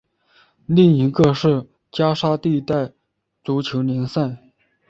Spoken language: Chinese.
另一个是加沙地带足球联赛。